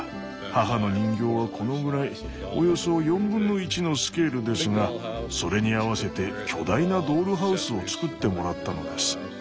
母の人形はこのぐらいおよそ1/4のスケールですがそれに合わせて巨大なドールハウスを作ってもらったのです。